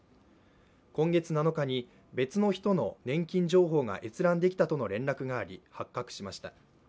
今月７日に、別の人の年金情報が閲覧できたとの連絡があり、発覚しました。